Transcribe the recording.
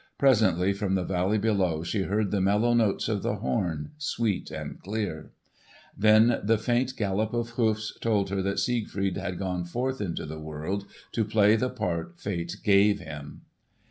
Presently from the valley below she heard the mellow notes of the horn sweet and clear. Then the faint gallop of hoofs told her that Siegfried had gone forth into the world to play the part Fate gave him.